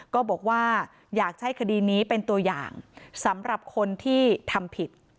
ก็บอกว่าอยากให้คดีนี้เป็นตัวอย่างสำหรับคนที่ทำผิด